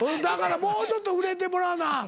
だからもうちょっと売れてもらわな。